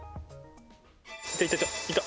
いた、いた、いた。